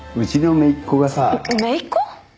めいっ子！？